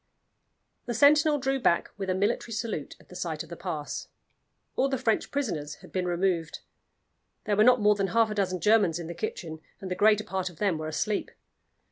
The sentinel drew back with a military salute at the sight of the pass. All the French prisoners had been removed; there were not more than half a dozen Germans in the kitchen, and the greater part of them were asleep.